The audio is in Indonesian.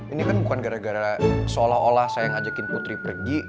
ini kan bukan gara gara seolah olah saya ngajakin putri pergi